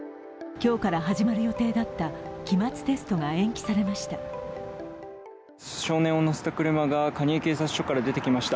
今日から始まる予定だった期末テストが延期されました。